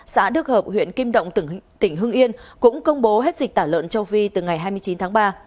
xã đức hợp huyện kim động tỉnh hưng yên cũng công bố hết dịch tả lợn châu phi từ ngày hai mươi chín tháng ba